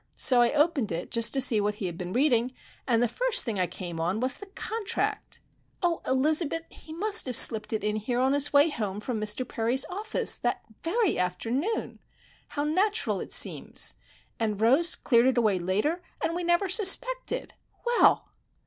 So I opened it, just to see what he had been reading, and the first thing I came on was the contract! Oh, Elizabeth, he must have slipped it in here on his way home from Mr. Perry's office that very afternoon! How natural it seems! And Rose cleared it away later, and we never suspected! _Well!